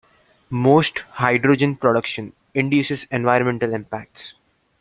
Most hydrogen production induces environmental impacts.